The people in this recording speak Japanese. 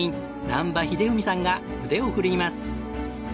難波英史さんが腕を振るいます。